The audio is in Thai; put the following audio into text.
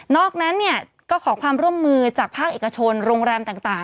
อกนั้นเนี่ยก็ขอความร่วมมือจากภาคเอกชนโรงแรมต่าง